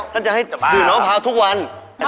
ท่านจะดื่มมะพร้าวทุกวันจะบ้าล